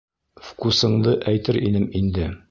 Вкусыңды әйтер инем инде.